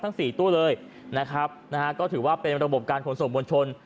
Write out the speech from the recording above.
สี่ตู้เลยนะครับนะฮะก็ถือว่าเป็นระบบการขนส่งมวลชน